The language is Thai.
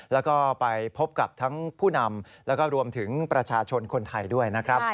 และก็ไปพบกับทั้งผู้นำและรวมถึงพระชาชนคนไทยด้วย